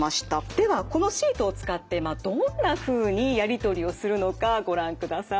ではこのシートを使ってどんなふうにやり取りをするのかご覧ください。